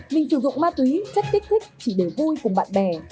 mình sử dụng ma túy chất tích thích chỉ để vui cùng bạn bè